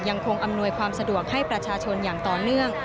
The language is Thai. อำนวยความสะดวกให้ประชาชนอย่างต่อเนื่อง